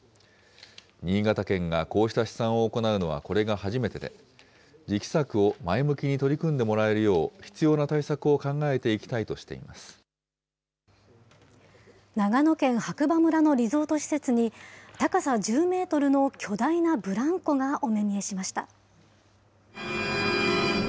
新潟県がこうした試算を行うのはこれが初めてで、次期作を前向きに取り組んでもらえるよう、必要な対策を考えてい長野県白馬村のリゾート施設に、高さ１０メートルの巨大なブランコがお目見えました。